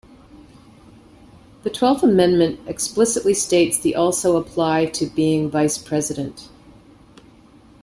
The Twelfth Amendment explicitly states the also apply to being Vice President.